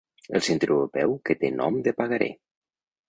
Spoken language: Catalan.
El centreeuropeu que té nom de pagaré.